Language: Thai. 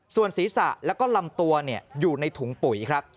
ส่วนศีรษะและลำตัวอยู่ในถุงปุ๋ย